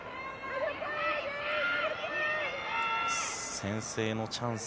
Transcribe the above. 先制のチャンス